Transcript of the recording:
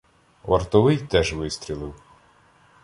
Вартовий теж вистрілив.